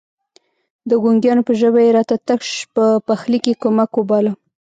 د ګونګيانو په ژبه يې راتګ تش په پخلي کې کمک وباله.